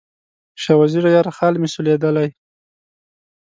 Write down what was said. شاه وزیره یاره، خال مې سولېدلی